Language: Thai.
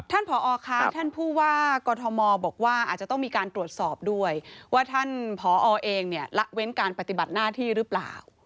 ผอคะท่านผู้ว่ากอทมบอกว่าอาจจะต้องมีการตรวจสอบด้วยว่าท่านผอเองเนี่ยละเว้นการปฏิบัติหน้าที่หรือเปล่า